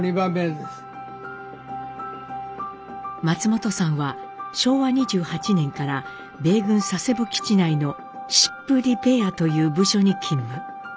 松本さんは昭和２８年から米軍佐世保基地内のシップ・リペアという部署に勤務。